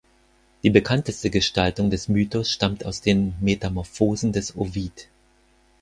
Die bekannteste Gestaltung des Mythos stammt aus den "Metamorphosen" des Ovid.